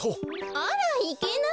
あらいけない？